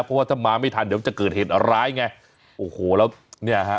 เพราะว่าถ้ามาไม่ทันเดี๋ยวจะเกิดเหตุร้ายไงโอ้โหแล้วเนี่ยฮะ